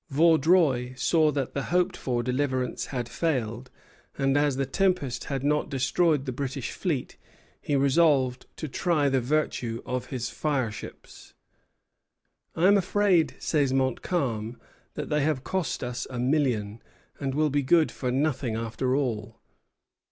Vaudreuil saw that the hoped for deliverance had failed; and as the tempest had not destroyed the British fleet, he resolved to try the virtue of his fireships. "I am afraid," says Montcalm, "that they have cost us a million, and will be good for nothing after all."